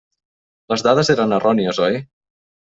Les dades eren errònies, oi?